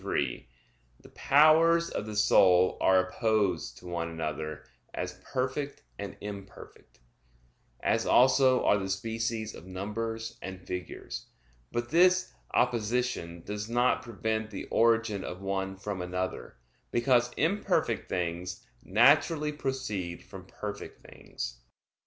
3: The powers of the soul are opposed to one another, as perfect and imperfect; as also are the species of numbers and figures. But this opposition does not prevent the origin of one from another, because imperfect things naturally proceed from perfect things.